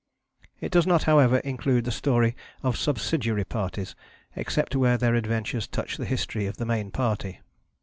It does not, however, include the story of subsidiary parties except where their adventures touch the history of the Main Party.